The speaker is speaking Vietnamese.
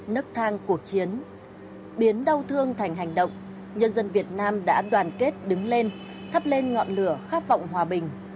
nức thang cuộc chiến biến đau thương thành hành động nhân dân việt nam đã đoàn kết đứng lên thắp lên ngọn lửa khát vọng hòa bình